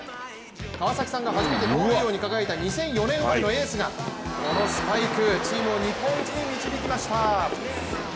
川崎さんが初めて盗塁王に輝いた２００４年生まれのエースこのスパイク、チームを日本一に導きました。